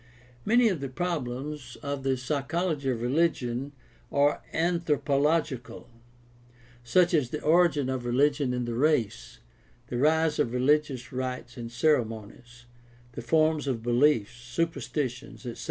— Many of the problems of the psychology of religion are anthropological, such as the origin of religion in the race, the rise of religious rites and ceremonies, the forms of beliefs, superstitions, etc.